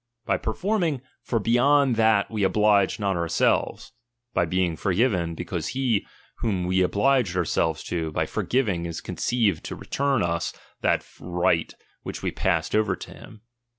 By performing, for beyond that we obliged not our selves. By being forgiven, because he whom we ob^ged ourselves to, by forgiving is conceived to return us that right which we passed over to him.